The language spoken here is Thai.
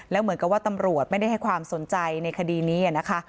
แล้วเหมือนกับว่าตำรวจไม่ได้ให้ความสนใจในคดีนี้นะคะ